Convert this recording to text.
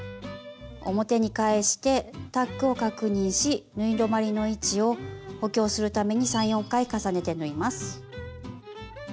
表に返してタックを確認し縫い止まりの位置を補強するために３４回重ねて縫います。